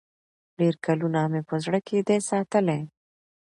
ډېر کلونه مي په زړه کي دی ساتلی